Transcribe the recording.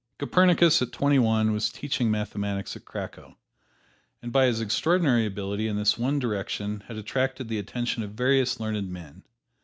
Copernicus at twenty one was teaching mathematics at Cracow, and by his extraordinary ability in this one direction had attracted the attention of various learned men.